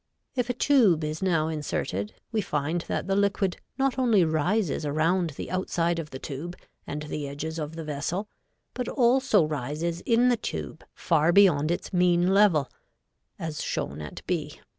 If a tube is now inserted, we find that the liquid not only rises around the outside of the tube and the edges of the vessel, but also rises in the tube far beyond its mean level, as shown at b.